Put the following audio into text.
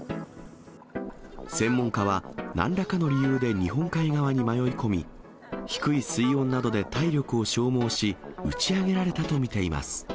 専門家は、なんらかの理由で日本海側に迷い込み、低い水温などで体力を消耗し、打ち上げられたと見ています。